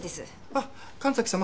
あっ神崎様